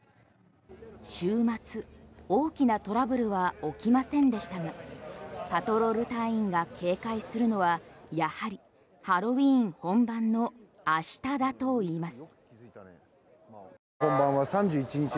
週末、大きなトラブルは起きませんでしたがパトロール隊員が警戒するのはやはりハロウィーン本番の明日だといいます。